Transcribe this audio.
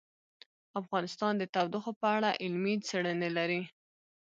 افغانستان د تودوخه په اړه علمي څېړنې لري.